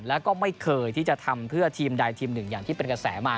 แล้วก็ไม่เคยที่จะทำเพื่อทีมใดทีมหนึ่งอย่างที่เป็นกระแสมา